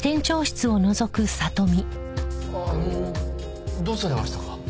あのどうされましたか？